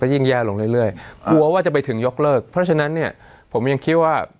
ยิ่งแย่ลงเรื่อยกลัวว่าจะไปถึงยกเลิกเพราะฉะนั้นเนี่ยผมยังคิดว่า